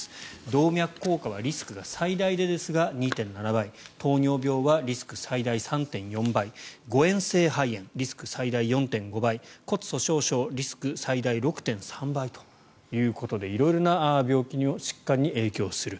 動脈硬化はリスクが最大でですが２．７倍糖尿病は最大リスク３．４倍誤嚥性肺炎リスク、最大４．５倍骨粗しょう症、リスク最大６．３倍ということで色々な病気、疾患に影響する。